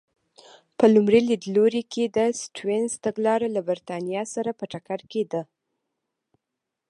په لومړي لیدلوري کې د سټیونز تګلاره له برېټانیا سره په ټکر کې ده.